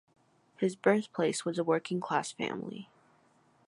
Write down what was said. His birthplace was a working-class family.